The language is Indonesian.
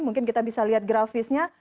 mungkin kita bisa lihat grafisnya